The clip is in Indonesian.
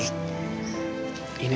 pak kita harus berhenti